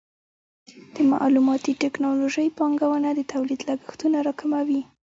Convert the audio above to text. د معلوماتي ټکنالوژۍ پانګونه د تولید لګښتونه راکموي.